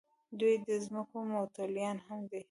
دوی د ځمکو متولیان هم دي.